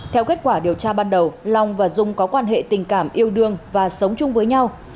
theo kết quả điều tra ban đầu long và dung có quan hệ tình cảm yêu đương và sống chung với nhau